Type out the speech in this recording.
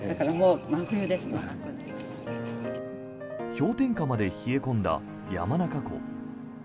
氷点下まで冷え込んだ山中湖。